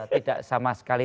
tidak sama sekali